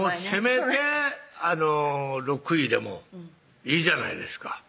せめて６位でもいいじゃないですか